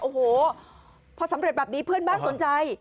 โอ้โหพอสำเร็จแบบนี้เพื่อนบ้านสนใจ